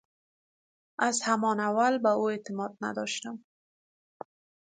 از همان اول به او اعتماد نداشتم.